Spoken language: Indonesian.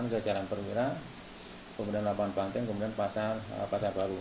ke jalan perwira kemudian lapangan banteng kemudian pasar baru